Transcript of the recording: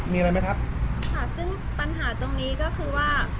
มีอะไรไหมครับค่ะซึ่งปัญหาตรงนี้ก็คือว่า